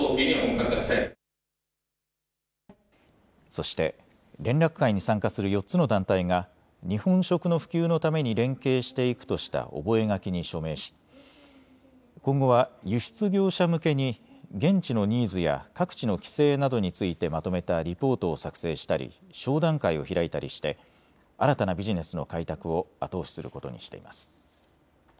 そして連絡会に参加する４つの団体が日本食の普及のために連携していくとした覚書に署名し今後は輸出業者向けに現地のニーズや各地の規制などについてまとめたリポートを作成したり商談会を開いたりして新たなビジネスの開拓を後押しすることにしています。